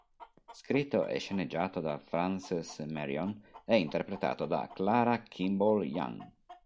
Scritto e sceneggiato da Frances Marion, è interpretato da Clara Kimball Young.